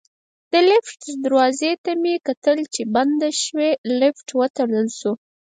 د لفټ دروازې ته مې کتل چې بنده شوې، لفټ وتړل شو.